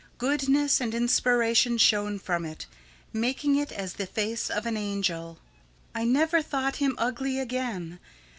Goodness and inspiration shone from it, making it as the face of an angel.... I never thought him ugly again.